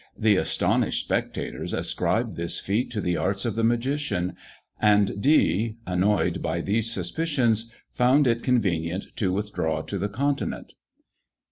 The astonished spectators ascribed this feat to the arts of the magician; and Dee, annoyed by these suspicions, found it convenient to withdraw to the Continent.